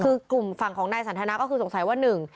คือกลุ่มฝั่งของนายสันทนาก็คือสงสัยว่าหนึ่ง